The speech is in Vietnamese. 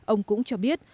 ông cũng cho biết